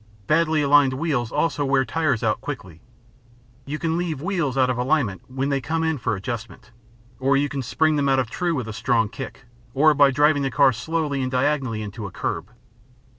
Badly aligned wheels also wear tires out quickly; you can leave wheels out of alignment when they come in for adjustment, or you can spring them out of true with a strong kick, or by driving the car slowly and diagonally into a curb.